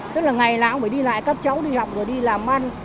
tức là ngày nào cũng phải đi lại các cháu đi học rồi đi làm ăn